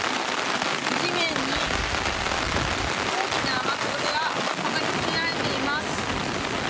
地面に大きな雨粒がたたきつけられています。